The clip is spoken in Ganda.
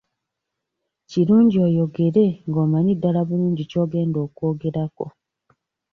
Kirungi oyogere nga ddala omanyi bulungi ky'ogenda okwogerako.